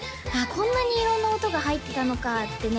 こんなに色んな音が入ってたのかってね